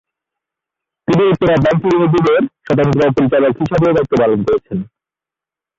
তিনি উত্তরা ব্যাংক লিমিটেডের স্বতন্ত্র পরিচালক হিসেবেও দায়িত্ব পালন করেছেন।